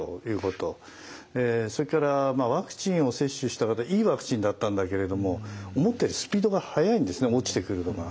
それからワクチンを接種した方いいワクチンだったんだけれども思ったよりスピードが速いんですね落ちてくるのが。